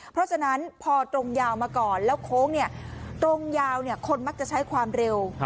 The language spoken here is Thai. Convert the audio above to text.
เพราะฉะนั้นพอตรงยาวมาก่อนแล้วโค้งตรงยาวคนมักจะใช้ความเร็ว